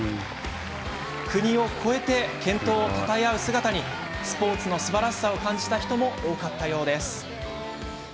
国を超えて健闘をたたえ合う姿にスポーツのすばらしさを感じた人も多かったようです。